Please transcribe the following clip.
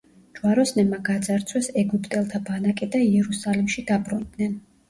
ჯვაროსნებმა გაძარცვეს ეგვიპტელთა ბანაკი და იერუსალიმში დაბრუნდნენ.